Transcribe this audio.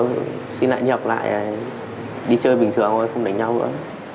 em xin lại nhập lại đi chơi bình thường thôi không đánh nhau nữa